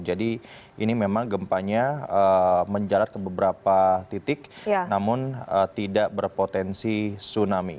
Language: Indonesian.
jadi ini memang gempanya menjalat ke beberapa titik namun tidak berpotensi tsunami